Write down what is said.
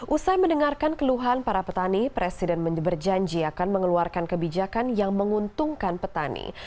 usai mendengarkan keluhan para petani presiden berjanji akan mengeluarkan kebijakan yang menguntungkan petani